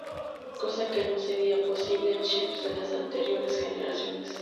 Cosa que no sería posible en chips de las anteriores generaciones.